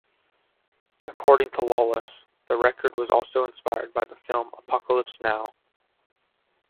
According to Lawless the record was also inspired by the film "Apocalypse Now".